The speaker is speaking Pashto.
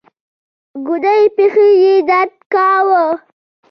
ګوډې پښې يې درد کاوه.